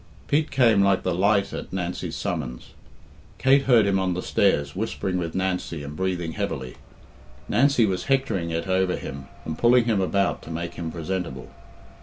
Pete came like the light at Nancy's summons. Kate heard him on the stairs whispering with Nancy and breathing heavily. Nancy was hectoring it over him and pulling him about to make him presentable.